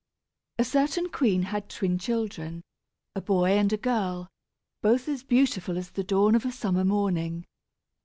A certain queen had twin children, a boy and a girl, both as beautiful as the dawn of a summer morning.